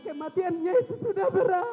kematiannya itu sudah berakhir